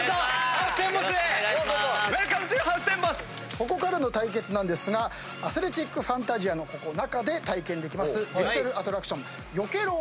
ここからの対決なんですがアスレチックファンタジアの中で体験できるデジタルアトラクションＹＯＫＥＲＯを使った対決です。